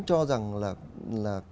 cho rằng là